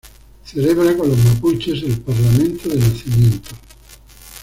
Celebra con los mapuches el ""Parlamento de Nacimiento"".